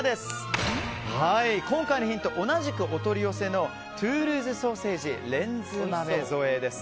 今回のヒントは同じくお取り寄せのトゥールーズソーセージレンズ豆添えです。